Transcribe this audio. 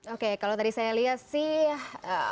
oke kalau tadi saya lihat sih